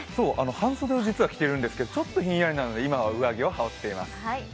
半袖を実は着ているんですけどちょっとひんやりしているので今は上着を羽織っています。